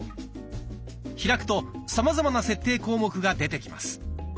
開くとさまざまな設定項目が出てきます。